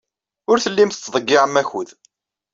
Ur tellim tettḍeyyiɛem akud.